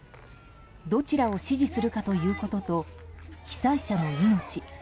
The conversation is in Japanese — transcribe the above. どちらを支持するかということと被災者の命。